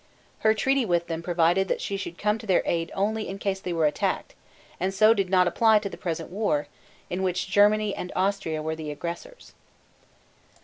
Her treaty with them provided that she should come to their aid only in case they were attacked, and so did not apply to the present war, in which Germany and Austria were the aggressors.